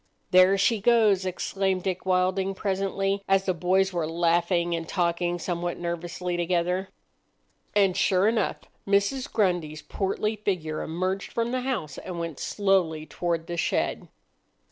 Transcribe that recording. "There she goes!" exclaimed Dick Wilding presently, as the boys were laughing and talking somewhat nervously together. And, sure enough, Mrs. Grundy's portly figure emerged from the house and went slowly toward the shed.